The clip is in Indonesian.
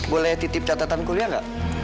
boleh titip catatan kuliah nggak